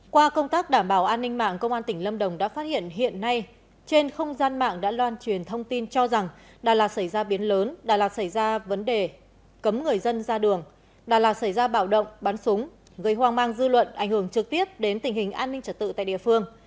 qua công tác đảm bảo an ninh mạng công an tỉnh lâm đồng đã phát hiện hiện nay trên không gian mạng đã loan truyền thông tin cho rằng đà lạt xảy ra biến lớn đà lạt xảy ra vấn đề cấm người dân ra đường đà lạt xảy ra bạo động bắn súng gây hoang mang dư luận ảnh hưởng trực tiếp đến tình hình an ninh trật tự tại địa phương